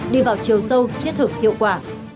đi vào chiều sâu thiết thực hiệu quả